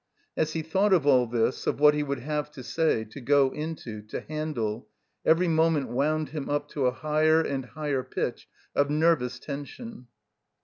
As he thought of all tiiis, of what he would have to say, to go into, to handle, every moment woimd him up to a higher and higher pitch of nervous tension.